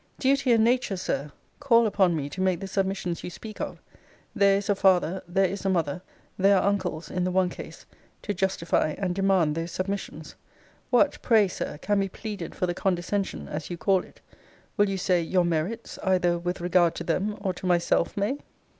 Duty and nature, Sir, call upon me to make the submissions you speak of: there is a father, there is a mother, there are uncles in the one case, to justify and demand those submissions. What, pray, Sir, can be pleaded for the condescension, as you call it? Will you say, your merits, either with regard to them, or to myself, may?